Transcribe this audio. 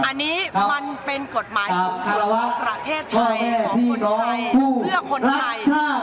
อันนี้มันเป็นกฎหมายของประเทศไทยของคนไทยเพื่อคนไทย